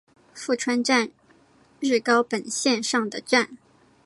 富川站日高本线上的站。